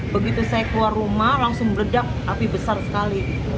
begitu saya keluar rumah langsung berledak api besar sekali